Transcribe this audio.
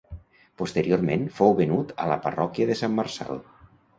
Posteriorment fou venut a la Parròquia de Sant Marçal.